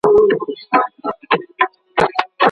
لاس لیکنه د ټولو مضامینو لپاره اړینه ده.